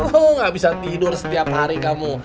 kamu nggak bisa tidur setiap hari kamu